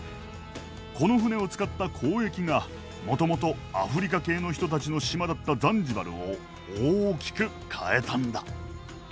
この船を使った交易がもともとアフリカ系の人たちの島だったザンジバルを大きく変えたんだ。